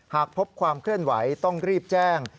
หากพบความเคลื่อนไหวต้องรีบแจ้ง